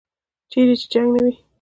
چیرې چې جنګ نه وي.